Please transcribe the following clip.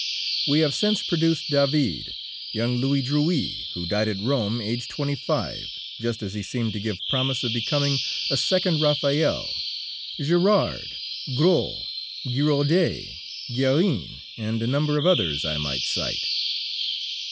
We have since produced David, young Louis Drouais who died at Rome, aged twenty five, just as he seemed to give promise of becoming a second Raphael Gérard, Gros, Girodet, Guérin, and a number of others I might cite.